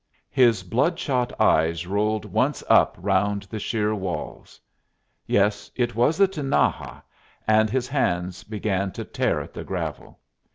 His bloodshot eyes rolled once up round the sheer walls. Yes, it was the Tinaja, and his hands began to tear at the gravel.